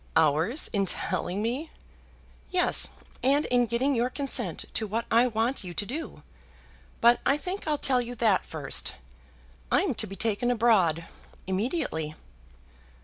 "Hours in telling me!" "Yes; and in getting your consent to what I want you to do. But I think I'll tell you that first. I'm to be taken abroad immediately."